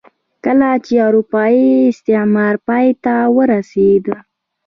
کله چې اروپايي استعمار پای ته ورسېد.